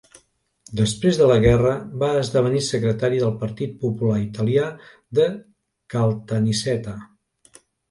Després de la guerra va esdevenir secretari del Partit Popular Italià de Caltanissetta.